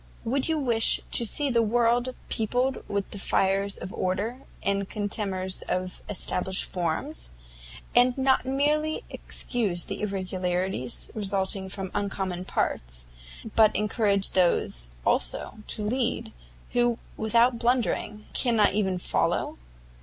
would you wish to see the world peopled with defiers of order, and contemners of established forms? and not merely excuse the irregularities resulting from uncommon parts, but encourage those, also, to lead, who without blundering cannot even follow?"